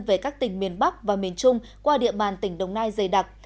về các tỉnh miền bắc và miền trung qua địa bàn tỉnh đồng nai dày đặc